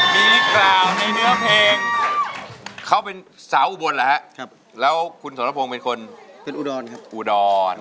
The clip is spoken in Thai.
มีกล่าวในเนื้อเพลง